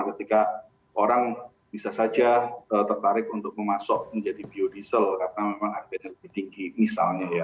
ketika orang bisa saja tertarik untuk memasok menjadi biodiesel karena memang harganya lebih tinggi misalnya ya